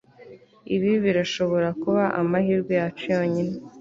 Ibi birashobora kuba amahirwe yacu yonyine